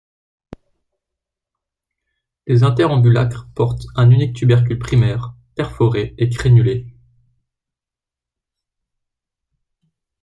Les interambulacres portent un unique tubercule primaire, perforé et crénulé.